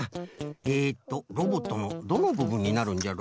えっとロボットのどのぶぶんになるんじゃろ？